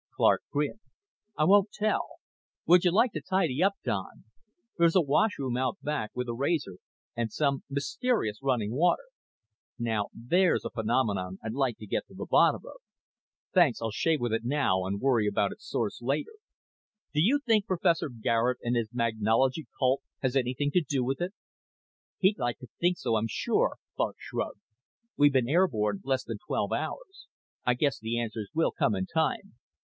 Clark grinned. "I won't tell. Would you like to tidy up, Don? There's a washroom out back, with a razor and some mysterious running water. Now there's a phenomenon I'd like to get to the bottom of." "Thanks. I'll shave with it now and worry about its source later. Do you think Professor Garet and his magnology cult has anything to do with it?" "He'd like to think so, I'm sure." Clark shrugged. "We've been airborne less than twelve hours. I guess the answers will come in time.